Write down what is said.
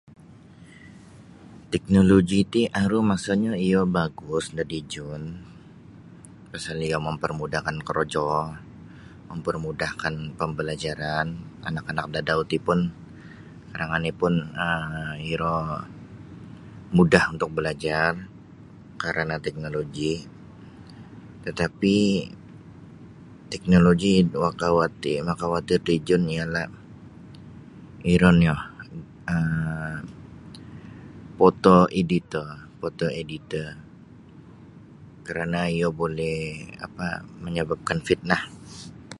Teknoloji ti aru masanyo iyo bagus da dijun pasal iyo mamparmudahkan korojo mamparmudahkan pambalajaran anak-anak dadau ti pun karang oni' pun iro mudah untuk balajar karana teknoloji tatapi' teknoloji makawatir makawatir dijun ialah iro nio um photo editor photo editor karana iyo buli apa' manyababkan fitnah.